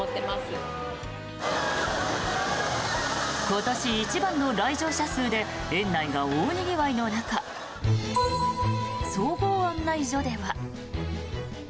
今年一番の来場者数で園内が大にぎわいの中総合案内所では。